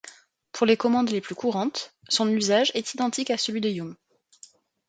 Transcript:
Pour les commandes les plus courantes, son usage est identique à celui de yum.